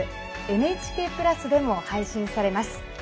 ＮＨＫプラスでも配信されます。